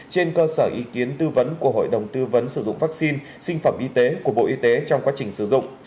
trên cơ sở ý kiến tư vấn của hội đồng tư vấn sử dụng vaccine sinh phẩm y tế của bộ y tế trong quá trình sử dụng